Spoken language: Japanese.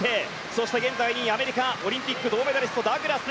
そして２位はアメリカのオリンピック銅メダリストのダグラス。